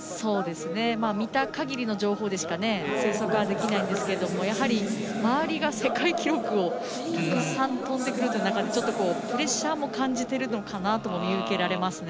見た限りの情報でしか推測はできないんですけど周りが世界記録をたくさん跳んでくる中でプレッシャーも感じてるのかなとも見受けられますね。